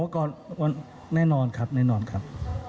อ๋อก่อนแน่นอนครับแน่นอนครับ